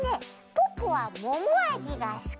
ポッポはももあじがすき。